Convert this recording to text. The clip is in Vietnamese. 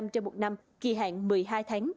trên một năm kỳ hạn một mươi hai tháng